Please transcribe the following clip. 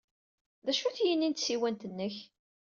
D acu-t yini n tsiwant-nnek?